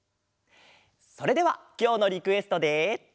それではきょうのリクエストで。